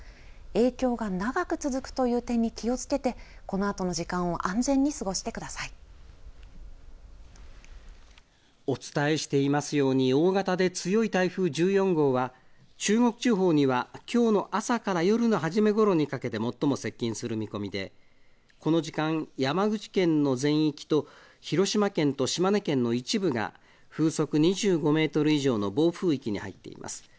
影響が長く続くという点に気をつけてこのあとの時間を安全に過ごお伝えしていますように、大型で強い台風１４号は中国地方にはきょうの朝から夜の初めごろにかけて最も接近する見込みで、この時間、山口県の全域と広島県と島根県の一部が、風速２５メートル以上の暴風域に入っています。